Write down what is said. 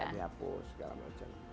di hapus segala macam